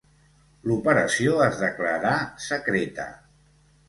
L'operació es declarà secreta.